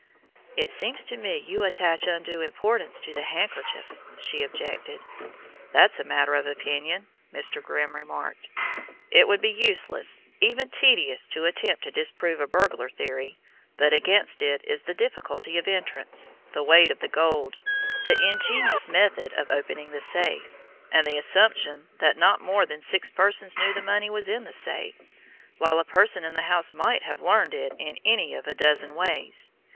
"It seems to me you attach undue importance to the handkerchief," she objected. "That's a matter of opinion," Mr. Grimm remarked. "It would be useless, even tedious, to attempt to disprove a burglar theory, but against it is the difficulty of entrance, the weight of the gold, the ingenious method of opening the safe, and the assumption that not more than six persons knew the money was in the safe; while a person in the house might have learned it in any of a dozen ways.